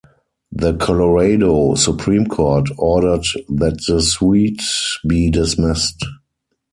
The Colorado Supreme Court ordered that the suit be dismissed.